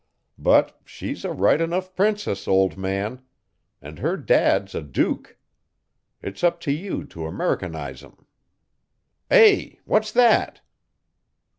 But she's a right enough princess, old man. And her Dad's a duke. It's up to you to Americanize 'em. Eh, what's that?"